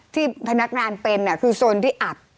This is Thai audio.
ที่พนักงานเป็นคือโซนที่อัด